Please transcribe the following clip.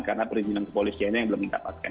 karena perizinan kepolisiannya yang belum didapatkan